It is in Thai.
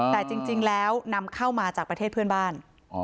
แต่จริงแล้วนำเข้ามาจากประเทศเพื่อนบ้าน